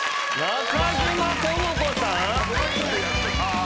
中島知子さん！？